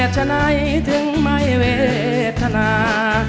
ฉะไหนถึงไม่เวทนา